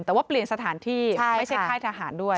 แต่ว่าเปลี่ยนสถานที่ไม่ใช่ค่ายทหารด้วย